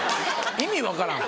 意味分からん。